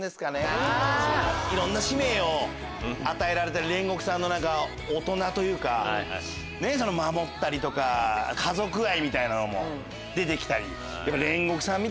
いろんな使命を与えられた煉獄さんの大人というか守ったりとか家族愛も出て来たり。